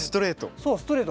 そうストレート。